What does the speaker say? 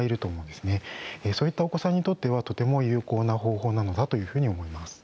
そういったお子さんにとってはとても有効な方法なのだというふうに思います。